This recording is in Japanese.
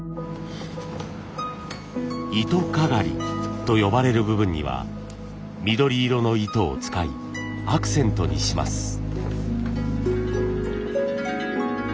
糸かがりと呼ばれる部分には緑色の糸を使いアクセントにします。